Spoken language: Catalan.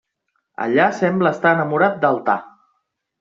Allà sembla estar enamorat d'Altar.